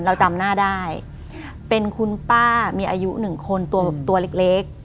เราจำหน้าได้เป็นคุณป้ามีอายุ๑คนตัวเล็ก